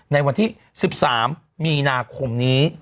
ในวันที่๑๓มีนาคมนี้